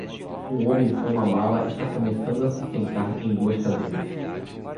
Um homem com uma mala está começando a se sentar em duas cadeiras.